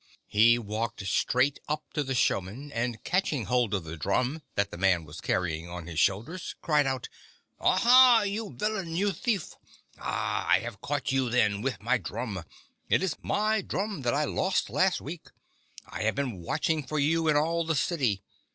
He walked straight up to the showman, and, catching hold of the drum, that the man was carrying on his shoulders, cried out : "Aha, you villain, you thief! Ah, I have caught you, then, with my drum! It is my drum that I lost last week. I have been watch ing for you in all the city.